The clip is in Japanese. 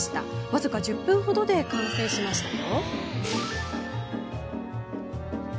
僅か１０分ほどで完成しました。